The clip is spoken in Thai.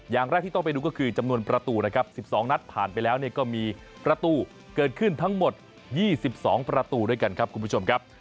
อย่างแรกที่ต้องไปดูก็คือจำนวนประตูนะครับ๑๒นัดผ่านไปแล้วเนี่ยก็มีประตูเกิดขึ้นทั้งหมด๒๒ประตูด้วยกันครับคุณผู้ชมครับ